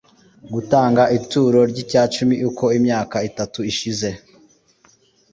gutanga ituro ry’icya cumi uko imyaka itatu ishize